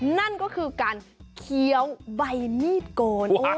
นั่นก็คือการเคี้ยวใบมีดโกน